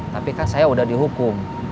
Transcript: tapi kan saya sudah dihukum